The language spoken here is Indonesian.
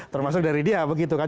termasuk dari dia begitu kan